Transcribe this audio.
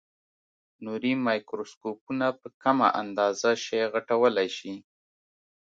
نوري مایکروسکوپونه په کمه اندازه شی غټولای شي.